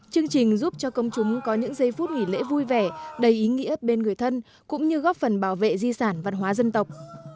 chúng có những giây phút nghỉ lễ vui vẻ đầy ý nghĩa bên người thân cũng như góp phần bảo vệ di sản văn hóa dân tộc